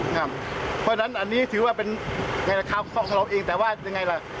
เพราะฉะนั้นอันนี้ถือว่าเป็นเราเองแต่ว่ายังไงล่ะ